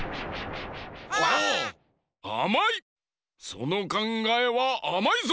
そのかんがえはあまいぞ！